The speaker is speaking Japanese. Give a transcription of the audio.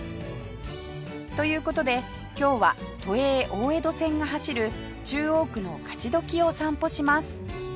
という事で今日は都営大江戸線が走る中央区の勝どきを散歩します